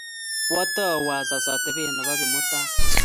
Kwatou asas atebet nebo Kimutai